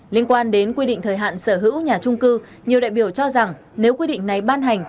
liên quan đến quy định thời hạn sở hữu nhà trung cư nhiều đại biểu cho rằng nếu quy định này ban hành